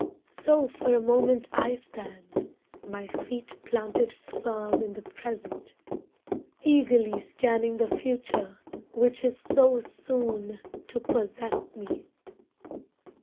So for a moment I stand, my feet planted firm in the present, Eagerly scanning the future which is so soon to possess me.